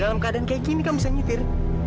dalam keadaan kayak gini kamu bisa nyetir